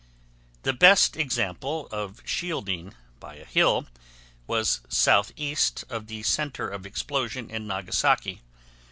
The best example of shielding by a hill was southeast of the center of explosion in Nagasaki.